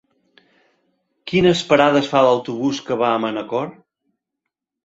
Quines parades fa l'autobús que va a Manacor?